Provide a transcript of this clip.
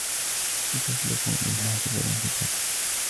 لتسلكوا منها سبلا فجاجا